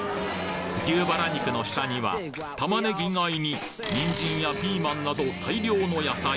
牛バラ肉の下には玉ねぎ以外ににんじんやピーマンなど大量の野菜